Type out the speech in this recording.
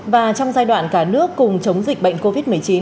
và trong giai đoạn cả nước cùng chống dịch bệnh covid một mươi chín